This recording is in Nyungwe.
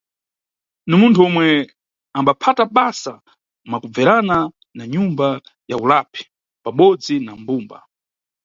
Ni munthu omwe ambaphata basa mwakubverana na nyumba ya ulapi pabodzi na mbumba.